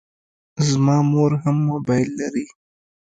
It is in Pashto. زما مور هم موبایل لري.